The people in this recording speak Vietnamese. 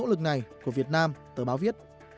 lực này của việt nam tờ báo viết